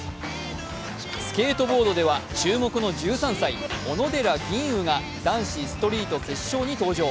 スケートボードでは注目の１３歳、小野寺吟雲が男子ストリート決勝に登場。